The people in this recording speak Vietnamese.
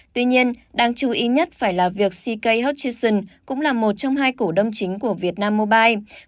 tuy nhiên đáng chú ý nhất phải là việc ck hutchinson cũng là một trong hai cổ đông chính của việt nam mobile